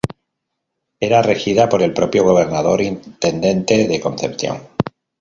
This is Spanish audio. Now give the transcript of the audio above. Era regida por el propio Gobernador Intendente de Concepción.